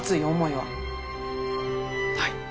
はい。